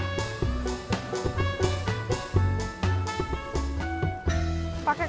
jual itu udah mau jalan